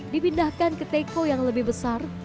dipindahkan ke teko yang lebih besar